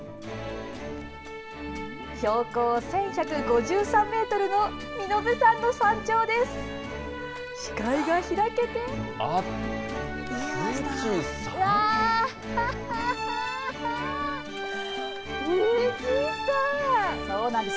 標高１１５３メートルの身延山の山頂です。